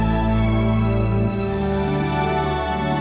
saya masih masih